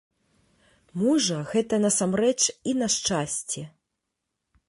Можа, гэта насамрэч і на шчасце.